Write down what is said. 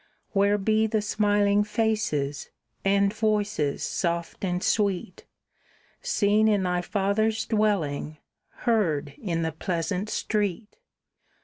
"Where be the smiling faces, and voices soft and sweet, Seen in thy father's dwelling, heard in the pleasant street?